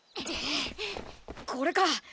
これか！